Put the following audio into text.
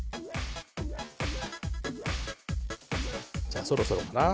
じゃあそろそろかな？